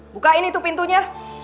buka ini tuh pintunya